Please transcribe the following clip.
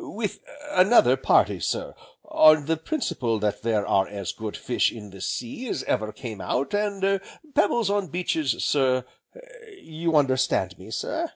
"With another party, sir, on the principle that there are as good fish in the sea as ever came out, and er pebbles on beaches, sir; you understand me, sir?"